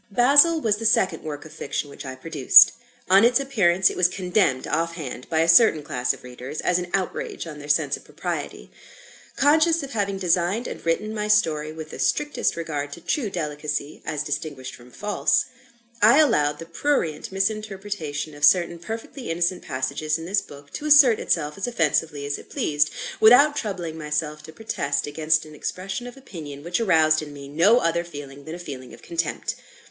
"Basil" was the second work of fiction which I produced. On its appearance, it was condemned off hand, by a certain class of readers, as an outrage on their sense of propriety. Conscious of having designed and written, my story with the strictest regard to true delicacy, as distinguished from false I allowed the prurient misinterpretation of certain perfectly innocent passages in this book to assert itself as offensively as it pleased, without troubling myself to protest against an expression of opinion which aroused in me no other feeling than a feeling of contempt.